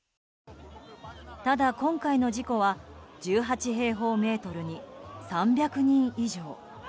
ただ、今回の事故は１８平方メートルに３００人以上。